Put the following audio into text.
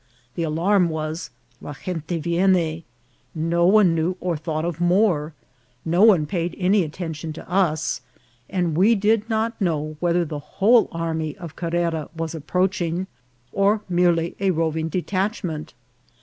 The alarm was " la gente vienne ;" no one knew or thought of more, no one paid any attention to us, and we did not know whether the whole army of Car rera was approaching, or merely a roving detachment.